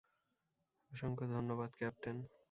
অসংখ্য ধন্যবাদ, ক্যাপ্টেন!